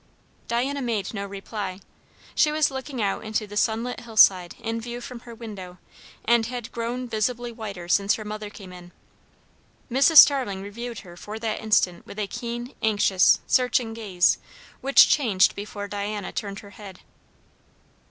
Diana made no reply. She was looking out into the sunlit hillside in view from her window, and had grown visibly whiter since her mother came in. Mrs. Starling reviewed her for that instant with a keen, anxious, searching gaze, which changed before Diana turned her head.